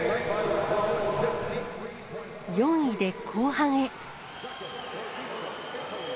４位で後半へ。